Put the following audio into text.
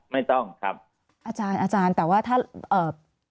ไม่ต้องครับ